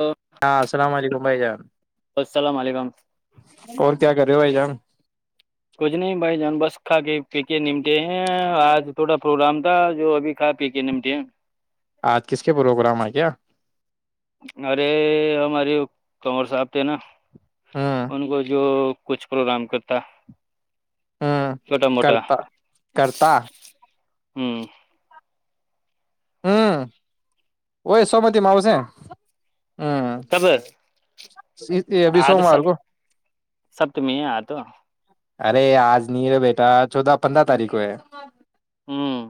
ہاں [unintelligible] ہاں السلام علیکم بھائی جان السلام علیکم اور کیا کرے وائی جان [unintelligible] کچھ نہیں بھائی جان بس کھ کے پی کے ن کہ ہیں آج تھوڑا پروگرام جو ابھی کھ پی کے نمٹ آج کس کے پروگرام ہیں کیا ارے ہماری کمر صاحب تھے نا ہوں ان کو جو کچھ پروگرام کرتا ہوں چھوٹا موٹا کرتا کرتا ہوں ہوں وہئی سومتی م ہوس کب ابھی آ تو سوموار سب کو سبت میں ہے آ تو [unintelligible] ارے آج نہیں رہے بیٹا چودہ پندرہ تاریخ کو ہے ہوں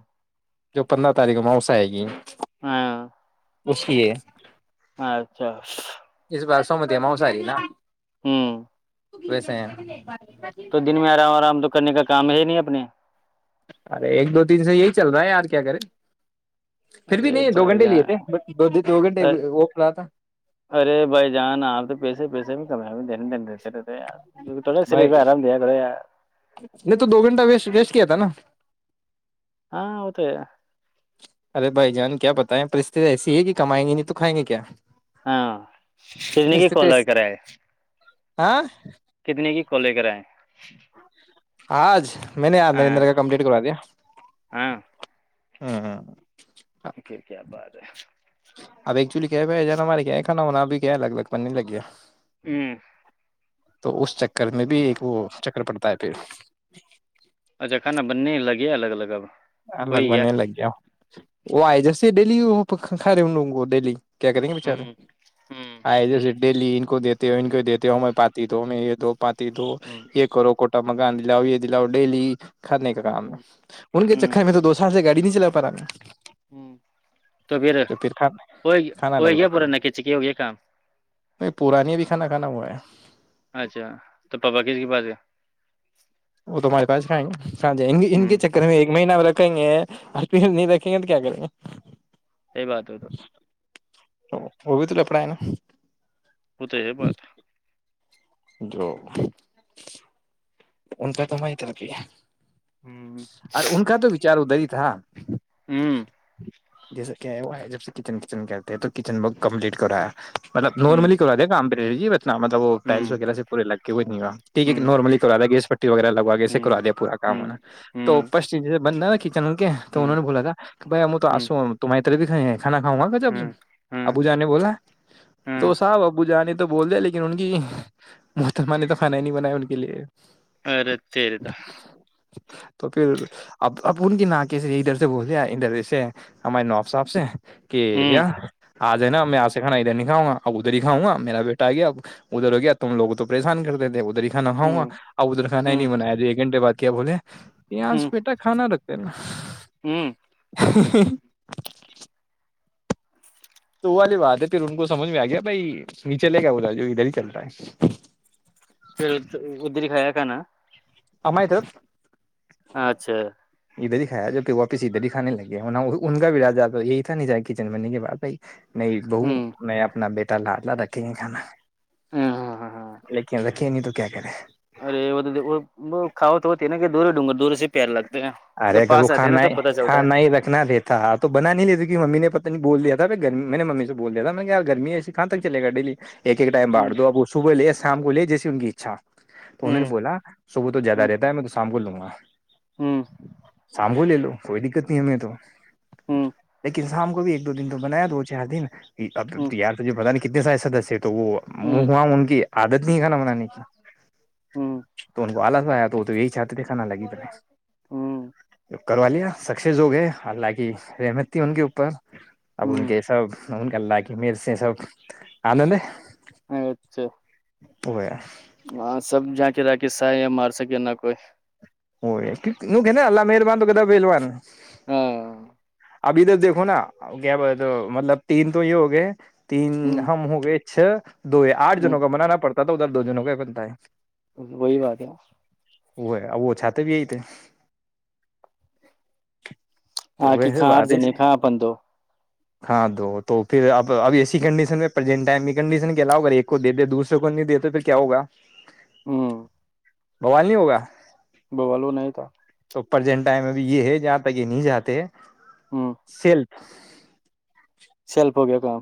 جو پندرہ تاریخ موسا آئے گی ہاں اس لیے [unintelligible] اچھا سوومتی مسہاری نا ہوں ویسے ہیں تو دن میں آرام آرام تو کرنے کا کام ہے نہیں اب اپنے [unintelligible] ارے ایک دو تین سے یہی چل رہا ہے یار کیا کرے پھر بھی ارے نہیں دو بھائی گھنٹے لیے تھے جان بٹ دو دو گھنٹے ارے وہ رہا تھا ارے بھائی جان آپ تو پیسے پیسے بھی کم دنے دنے دیتے رہتے بھائی سریہ آرام د کرڑ نہیں تو دو گھنٹہ ویس ویسٹ کیا تھا نا ہاں ہوتے [unintelligible] ارے بھائی جان کیا بتائیں پرست ایسی ہے کہ کمائیں گی نہیں تو کھائیں گے کیا ہاں پھرنے کی کولو کر رہ ہے آ [unintelligible] کتنے کی ک لے کریں آج میں نے یاار ہاں نریندر کا کمپلیٹ کرا دیا ہاں [unintelligible] ہاں ہ [unintelligible] پھر کیا بات ہے اب ایکچولی [unintelligible] ایک ج ہمار [unintelligible] کانا ہونا بھی کیا ہے الگ الگ بننے لگ گیا [unintelligible] ہوں تو اس چکر [unintelligible] گھر میں بھی ایک وہ چکر پ [unintelligible] ت پ [unintelligible] ا جا کانا بننے لگ [unintelligible] یہ الگ الگ آب [unintelligible] ہ لگ کوئی بن گیا نہیں لگ گیاؤ وہ آئے جیسے ڈیلی وہ کھ رہے ان لوگوں کو ڈیلی کیا کریں گے بچارے ہوں ہوں آئے [unintelligible] ڈیلی ان کو دیتے ہو ان کو دیتے ہو میں پاتی تو یہ دو پاتی [unintelligible] دو ہوں یہ کرو ک [unintelligible] مہاتما گاند لاو یہےی لاؤ ڈیلی [unintelligible] کرنے کا کام ہے ان کے [unintelligible] تو دوسر سے گاڑی نہیں چلا پا رہا میں [unintelligible] ہ تو پھر کھانا وہ الگ الگ گیا کر پورا نکچک ہو گیا کام دیں پورانی ابھی کھانا کھانا ہوا ہے اچھا تو پاپا کس کی باس ہے [unintelligible] وہ تمہارےاسھائاں ج ان کے ہوں چکر میں ایک مہینہ میں رکھیں گے نہیں رکھیں گے تو کیا کریں گے سی بات ہو تو [unintelligible] وہ بھی تو لپڑ ہے ن [unintelligible] وہ تو ہے بات [unintelligible] جو [unintelligible] ان کا تو ماہت ہے کہ ہوں اور ان کا تو وچار ادھر ہی [unintelligible] اچ ہاں [unintelligible] ہوں [unintelligible] جیسا کیا ہے ہے جب سےچن کچن کہتے ہیں تو کچن ک کمپلیٹ کروایا مطلب ہوں نارملی کرا دیام [unintelligible] ن مطلب وہ ائلس ہوں وغیرہ سے پورے لگے [unintelligible] ہٹیک ہوں ہوں نارملی [unintelligible] ا گیس پٹی وغیرہ لگوا کے اسے ہوں کرا دیا پورا کام ہوں ہونا تو پ ہوں سے [unintelligible] بننا [unintelligible] ل کے تو انہوں نے بولا تھا کہ بھائی تو آسو تمہاری طرف بھی کانا کھاؤں گا ہوں ہوں ابو جا نے بولا تو ہوں صاحبب [unintelligible] ب جانے تو بول دیا لیکن ان کی محتمہ نے تو فن ہی نہیں بنا ان کے لیے ارے تیرے تو تو پھر اب اب ان کی ن کیس ادھر سے بولےیا ادھر سے ہماریے ناب صاحب سے کہ ہوں ریا آ جائے نا ہم میں آسے کانا ا د نہیں کھاؤ گ ادھر ہی کاؤ گا میرا بیٹا آ گیا ادھر ہو گیا تم لوگ تو پریشان کرتے تھے ادھر ہی کھانا ہوں کاؤںا ابدر خانا ہی ہوں نہیں بنایا تو ایک گھنٹے بعد کیا بولے یہ آج ہوں بیٹا کھانا رکھتے نا ہوں تو والی بات ہے پھر ان کو سمجھ میں آ گیا بھائی نیچے لے گ بولا جو ادھر ہی چل رہا ہے پھر ادھر ہی کھایا کانا ہمیت اچھا ادھر ہی کایا جو کہ واپس ادھر ہی کھانے لگے ان کا بھی را تو یہی تھا نہیں ج کچن بنینے کے باتھائی نہیں ب ہوں میں اپنا بیٹا اللہ رکھے گ کھانا ہاں ہاں ہاں ہاں ل رکھے نہیں تو کیا کرے ارے ب کاؤا تو ہوتی ہے نا کہ دوری ڈر دورے سے پیار لگتا ارے ا گھر وہ کھانا کھانا ہی رکھنا دیتا تو بنا نہیں لیتی کہ ممی نے پت نہیں بول د تھا ا گرمی میں نے ممی سے بول دیا تھا میں نے ی گرمی ایسی کہاں تک چل گا ڈیلی ایک ایک ٹائم ہوں بٹ دو اب صبح لے شام کو لے جیسے ان کی اچھا تو انہوں نے ہوں بولا صبح تو زیادہ ہوں رہتا ہے میں سانبولوں میںا ہوں شام کو لے لو کوئی دقت نہیں ہمیں تو ہوں لیکن شام کو بھی ایک دو دن تو بنایا دو چار دن اب ہوں یار تجھے بت نہیں کتنے سارے سدسیہ تو وہ ہوں ماں ان کی عادت کھانا بنانے کی ہوں تو ان کو آلس ہو آیا تو وہ تو یہی چاہتے تھے کھانا لگی بنے ہوں کروا لیا سکسیز ہو گئے حلہک رحمت تھی ان کے اوپر اب ان ہوں کے سب مون اللہ کہ میر سے سب آنند ہے اچھا وہ ہے ہاں سب جا کے ر قصہ یا مار سکے نہ کوئی ہو کہ ن اللہ مہربان تو کیا بیلوان ہاں ابھی تو دیکھو نا کیا بولے تو مطلب تین تو یہ ہو گئے تین ہوں ہم ہو گئے چھ دو یہ آٹھ ہوں جنوں کا منانا پڑتا تھا ادھر دو جنوں کا بنتا ہے وہی بات ہے وہ ہے وہ چاہتے بھی یہی تھے تو ہاں کہ ویسے کاں آٹ بات ہے جنے کا اپن دو ہاں دو تو پھر اب اب ایسی کنڈیشن میںینٹ ٹائم کی کنڈیشن کے علاؤ اگر ایک کو دتے دوسرے کو نہیں دیتے تو کیا ہوگا ہاں بوال نہیں ہوگا نہیں تھا تو پرجینٹائم ا بھی یہ ہے جہاں تک یہ نہیں جاتے سیل [inaudible] سلپ ہو گیا کام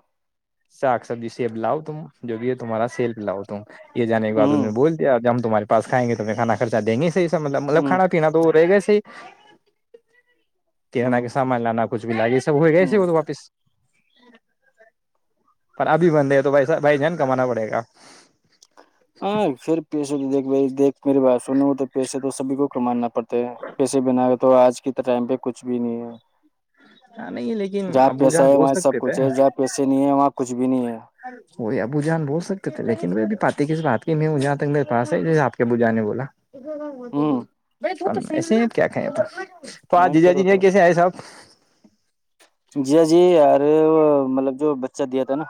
ساک سبزی سیب لاؤ تم جو بھی ہے تمہارا سیلف لاؤ ٹیم یہ جانے کے بعد ہوں انھوں بلدیہ اگر ہم تمہارے پس کھینچ توفیر کھانا خرچا دینگے سیف مطلب مطلب ہوں کھانا پینا تو رہےگا ہوں کہنا کے سامان لانا کچھ بھی ہوں لاک [inaudible] [inaudible] پر ابھی بندے ہیں تو بھائی بھائی جان کمانا پڑے گا ہاں پھر پیش یکھ بھائی دیکھ میے بات سنے تو پیسے تو سبھی کو کمانا پڑتے ہے پیسے بنا کے تو آج کے ٹائم پی کچھ بھی نہیں ہے نہیں لیکن جہاں ابو پیسہ جان ہے بول وہاں سب سکتے تھے کچھ ہے جہاں پیسے نہیں ہے وہاں کچھ بھی نہیں ہے وہی ابو جان بول سکتے تھے لیکن وہ پاتی کس بات کی میں ہ جہاں تک میری پاس ہے جسے آپ کے ابو جان نے بولا ہوں [unintelligible] اور ویسے کیا کھایا تھا پا ہاں جی چل جاجی ہوتا یہ کیسے آئے سب ہے جی جی یار مطلب جو بچہ دیا تھا نا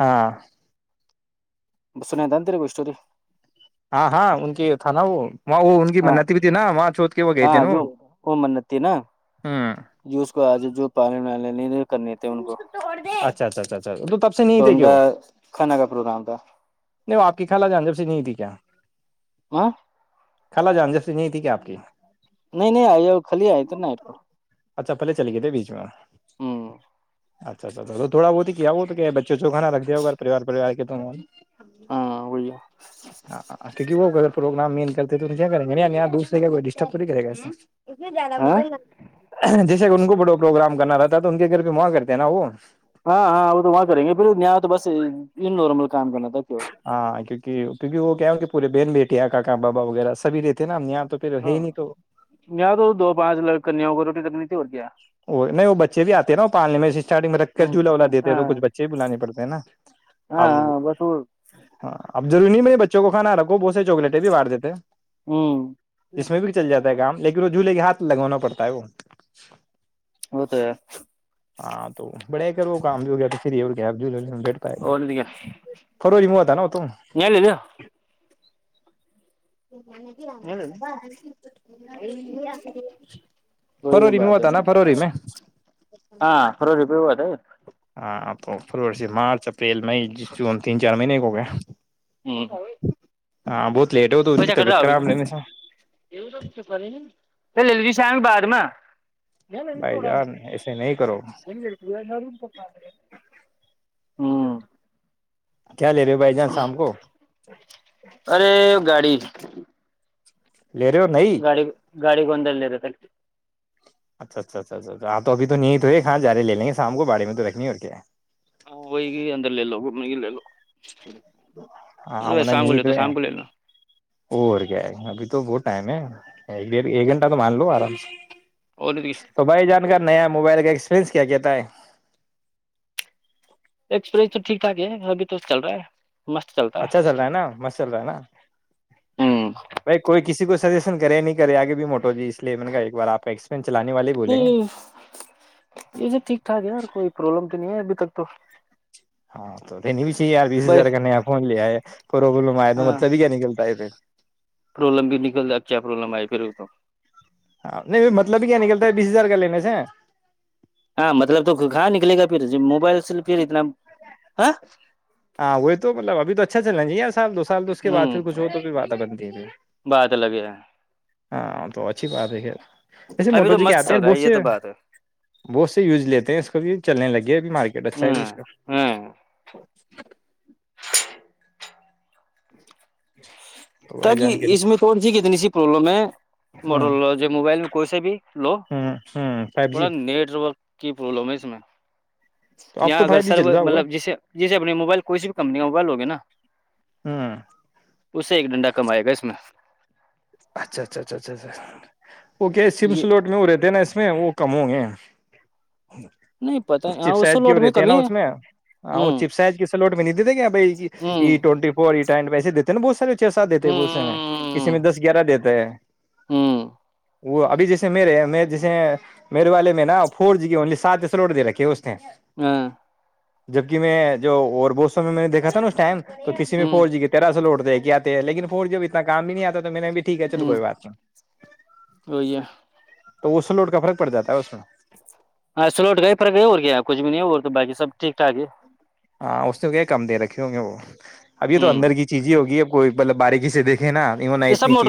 ہاں بس سنا د تیر کو اسٹوری ہاں ہاں ان کی تھا نا وہ وہاں وہ ان کی ہاں منتی بھی تھی نا وہاں چھوت کے وہ گئے تھے ہاں نا جو وہ منت تھی نا ہوں جو اس کو آج جو پالے وے نہیں کرنی ت ان کو اچھا اچھا اچھا اچھا تو تب سے تو نہیں تھے ان کہ کا وہ کھانا کا پروگرام تھا نہیں آپ کی خال جان جب سے نہیں تھی کیا ہ خلا جاں جیسی نہیں تھی کیا آپ کی نہیں نہیں آئی کال آئی ت نائٹ کو اچھا پہلے چلے گئے تھے بیچ میں ہم اچھا اچھا تو تھوا بہت ہی کیا وہ تو کیا ہے [unintelligible] تو ہاں وہی ہاں کیکہ وہ اگر پروگرام مین کرتے تو کر گاں دورر گیا ڈسٹر تو کرے گ اتنے زیادہ ہاں مجھے م جیسے کہ ان کو بڑ پروگرام کرنا رہتا تو ان کے گھر بی ماں کرتے ہیں نا وہ ہاں ہاں وہ تو وہاں کریں گے پھر یہاں تو بس ملک ہاں کیونکہ کیونکہ وہ کیا کہ پورے بہن بیٹے یا کاا بابا وغیرہ سبھی رہتے ہیں ن ہم یہاں تو پھر ہے ہاں ہی نہیں تو یہاں تو دو پانچ لڑک کنیاوں کو روٹی کرنی تھی اور کیا وہ نہیں وہ بچے بھی آتے ہیں نا پالنے میں اسٹارٹنگ میں رکھ کر جولا وولا دیتے ہیں تو ہاں کچھ بچے بھی بلے پڑتے ہیں نا ہاں اب ہاں بس وہ ہاں ابضروری نہیں بچوں کو کھانا رکھو بہت سے چوکلیٹیں بھی بٹ دیتے اس میں بھی چل جاتا ہے ہ کام لیکن وہ جھولے کے ہاتھ لگوانا پڑتا ہے وہ وہ تو ہے ہاں تو بڑے کر وہ کام بھی ہو گیا تو فری اور کیا عبدلہ بیٹ پائے گا اور کیا، خرو ج متا نا تو یہ لے لیا کوئی فروری میں بات ہے ہوتا نا فروری میں ہاں تھوڑا روپئے ہوا تھا اں فری سے مارچ فیل میں تین چار مہینے کو ہو ہ ہاں بہت لیٹ ہو تو وہ ان چ کی کرر طبیعت آگی ن خراب لینے سے پ لے لجے شام بعد میں ن انین بھائی کوڈاانی جان ایسے نہیں کرو ن گ روم پکے ہوں کیا لے رہے ہو بھائی جان شام کو ارے گاڑی لے رہے ہو نہیں گاڑ گاڑ گوندلر اچھا اچھا اچھا اچھاچا توبھی تو نہیں تو یہاں جارے لے ل گے شام کو باڑی میں تو رکھنی ہے اور کیا ہاں وہئی گ اندر لے لو گھوم گ لے لو ہاں م نے شام نی کو لے تو ہے شام کو لے لو اور کیا ابھی تو ب ٹائم ہے ایک گھنٹہ تو من لو آرام سے اور تو بھائی جانکاری نیا موبائل کا ایکسپیرئنس کیا کہتا ہے ایکسپیرنس تو ٹھیک ٹھاک ہے ابھی تو چل رہا ہے مست چلتا اچھا چل رہا ہے نا مست چل رہا ہے نا ہے بھائی کوئی کسی کو [unintelligible] سیشن کرے نہیں کرے آگے بھی موٹو جی اس لیے میں نے کہ ایکار آپ ایکس [unintelligible] ا یہ جو ٹھیک ٹھاک ہےار کوئی پرابلم تو نہیں ہے [unintelligible] تو [unintelligible] ہاں تو [unintelligible] ار بیس بائی ہزار کا نیا فون لیا ہے پروابلم آیا تو ہاں مطلب ہی کیا نکلتا ہے پھر [unintelligible] پرابلم بھی نکل دیا اب کیا پرابلم آئی پھر تو ہاں نہیں مطلب بھی کیا نکلتا ہے بیس ہزار کا لینے سے [unintelligible] ہاں مطلب تو کہاں نکلے گا پھر موبائل سے پھر اتنا ہاں [unintelligible] ہاں وہ توطلبھی تو اچھا چلیں گی سال دو سال تو اس کےعد ہوں پھر کھ ہو توھر وعدہ بند [unintelligible] جے [unintelligible] بات الگے ہے [unintelligible] ہاں تو اچھی بات ہے خ ایسے ابھی موٹو تو جی کے مست آتے چل ہیں رہا بہت ہے یہ سے تو بات ہے بہت سے یوز لیتے ہیں اس کو بھی چلنے لگے [unintelligible] یہ بھی مارکیٹ اچھا ہے بھی ہ اس کا ہ [unintelligible] [inaudible] ج [inaudible] تاکہ اس میں فون سی کتنی سی پرلم ہے [unintelligible] ہوں موڈل ج موبائل کو سے بھی [unintelligible] ہلو ہوں ہوں فائیو جی تھوڑا نیٹورک [unintelligible] کی پرابلم ہے اس میں [unintelligible] تو اب تو اگر فائیو جی سرو چل رہا ہوگا مطلب جسے جسے اپنے موبائل کوسی بھی کمپنی کا موبائل ہوگے نا ہوں اسے ایک ڈنڈا کمائے گا اس میں [unintelligible] اچھا اچھا اچھا اچھا اچھا اوکے یہ سمسلوٹ میں ہو رہے تھ نا [unintelligible] میں وہ کموں گے نہیں پتا [unintelligible] ہاں چپ اس سائز کی لوٹ وہ میں دیتے ہے کمی نا اس میں ہاں وہ ہوں چپ سائز کی سلوٹ میں نہیں دیتے کیا ب ہوں ای ٹوینٹی فور ینٹ پیے دیتے ن بہت سار [unintelligible] سات دیتے ب اسے میں کسی ہوں میں دس [unintelligible] گرہ دیتے ہے ہوں وہ ابھی جیسے میرے جیسے میرے والے میں نا فور جی کی اونلی سات ایس روڈ دے رکھے اس ہیں ہاں جبک میں جو اور بو س میں نے دیکھا تھا نا ٹم تو کسی میں ہوں فور جی کی تیرہ سے لوٹ دے گا کیاتے لنور جب اتنا کام نہیں آتا تو تو میں نے بھی ٹھیک ہے چلو ہوں کوئی بات نہیں وہی ہے تو اس سے لوڈ کا فرق پڑ جاتا ہے اس میں ہاں سلوٹ گئے پرھر گئے اور کیایا کچھ بھی نہیں اور بقی سب ٹھیک ٹاک ہی ہاں اس نے کیا کم دے رکھے ہوں گے وہ ابھی تو ہوں اندر کی چیزیں ہی ہوگی ا کوئی مطلب باری کسسی د یہ سب موٹ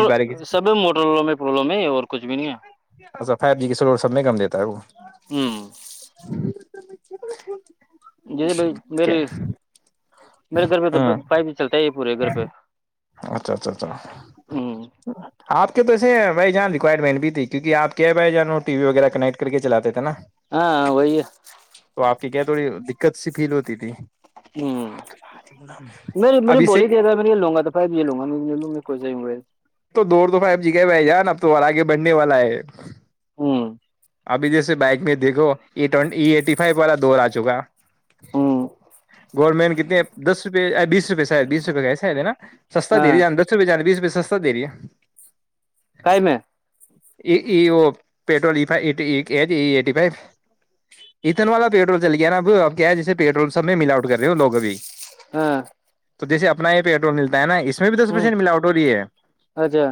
سب موٹر والوں میں پرلم ہے اور کچھ بھی نہیں ہے اچھا فائیو جی کے سلور سب نہیں کم دیتا ہے وہ [inaudible] ہے ہوں جیسے بھائی کیا میرے میرے گھر ہ پہ تو پائپ بھی چلتا ہے یہ پورے گھر پہ اچھا اچھا اچھا ہوں آپ کے تو ایسے ہیں بھائی جان لیج رکورمن بھی تھی کیونکہ آپ کیاب آئے جانو ٹی وی وغیرہ کنیکٹ کر کے چلاتے نا ہاں وہئی تو آپ کیا تھوڑی دقت سی فیل ہوتی تھی ہ میں میں نے اب اسے بولی تھی ا میں یہ لوں گا توائی یہ لوں گا ل میں کوئی جے تو دور تو فب جی کے بہ جان تو آگے بڑھنے والا ہے ہوں ابھی جیسے بائک میں دیکھو ایٹ ای ایٹی فو والا دور آ چکا ہوں گورمٹ کتنے دس روپ بیس روپئے ساید بیس روپئے گئے ساید ہےا سستا دے دی ہاں جان دس روپئے جان بیس روپے سستا د رہی ہے کائی میں وہ پیٹرول ای فو اتن والا پیٹرول چل گیا نا اب اب کیا ہے جسے پیٹرول سب میں مل آؤٹ کر رہے ہووگ ابھی ہاں تو جیس اپنا یہ پیٹرول ملتا ہے نا اس بھی دس ہوں پرسینٹ ملاوٹ ہو رہی ہے اچھا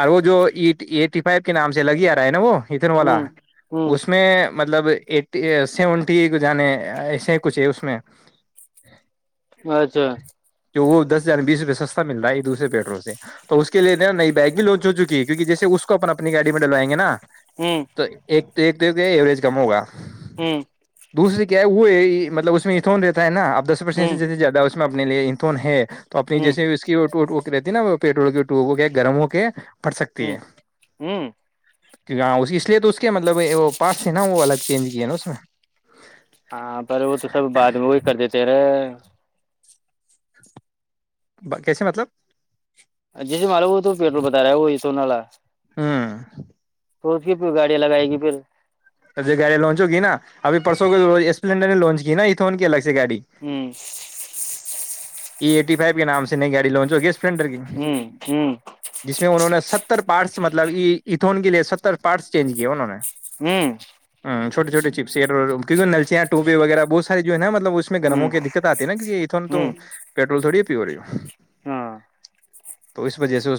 اور وہ جو ای ایٹی فائیو کے نام سے لگ ہی آ رہا ہے نا وہ والا ہوں ہوں اس میں مطلب ایٹی سیونٹی کو جانے ایسے کچھ ہے اس میں اچھا جو وہ دس ار بیس روپئے سستا م رہا ہے دوسرے پیٹرو سے تو اس کے لیے نا نئی بیگ بھی لانچ ہو چکی ہے کیونک جیسے اس کو اپنی گاڑی میں ڈلوائ گے نا ہوں تو ایک ایک یہ ایوریج کم ہوگا ہوں دوسریے کیا ہے وہ مطلب اس میں اتون رہتا ہے نا اب دس پرسنٹ ہوں سے زیادہ اس میں نے لیے انتون ہے تو اپنی ہوں جیسے اس کی رہتی ہے نا وہ پیٹرول کے ٹو ہو کے گرم ہو کے پڑھ سکتی ہوں ہے ہوں کہ گاؤ اس لیے تو اس کے مطلب وہ پارٹس ہیں نا وہ الگ چینج کیاے نا اس میں ہاں پر وہ تو سب بعد میں وہی کر دیتے رہے کیسے مطلب سناالا ہاں تو اس کی پھر گاڑیاں لگائے گی پھر اب ج گاڑ لانچ ہوگی نا اب پرسوں کو اسپلینڈر نے لانچ کی نا اتون کے الگ سے گاڑی ہوں ای ایٹی فائیو کے نام سے نہیں گاڑی لانچو گی فلینڈر کی ہوں جس میں انہوں نے ستر پارٹس مطلب یہ اتھون کے لیے ستر پارٹس چینج کیاے انہوں نے ہوں چھوے چھوے چپس کیکہ نلیاں وپے وغیرہ بہت ساری جو ہےا مطلب اس میں گرموں ہوں کی دقت آتی ہے نا کیکہ ات تو ہوں پیٹرول تھوڑی پی ہو رہی ہو ہاں تو اس وجہ سے